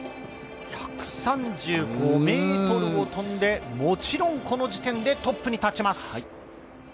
１３５ｍを飛んで、もちろんこの時点でトップに立ちます。